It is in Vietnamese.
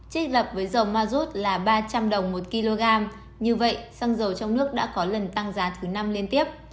trích lập với dầu ma rút là ba trăm linh đồng một kg như vậy xăng dầu trong nước đã có lần tăng giá thứ năm liên tiếp